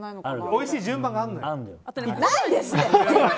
おいしい順番があるんだよ。